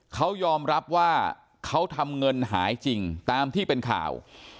เขายอมรับว่าเขาทำเงินหายจริงตามที่เป็นข่าว